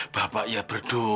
bapak ya berdua